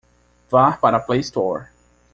Vá para a Play Store.